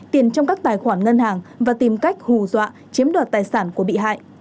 tiền trong các tài khoản ngân hàng và tìm cách hù dọa chiếm đoạt tài sản của bị hại